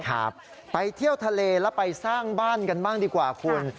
ครับไปเที่ยวทะเลแล้วไปสร้างบ้านกันบ้างดีกว่าคุณ